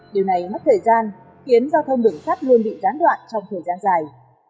điều này mất thời gian khiến giao thông đường sắt luôn bị gián đoạn trong thời gian dài